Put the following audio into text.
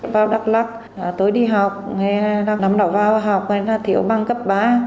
vào đắk lắc tôi đi học năm đó vào học người ta thiếu bằng cấp ba